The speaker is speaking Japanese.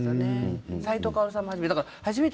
齋藤薫さんも初めて。